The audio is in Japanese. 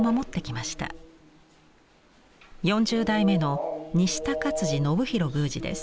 ４０代目の西高信宏宮司です。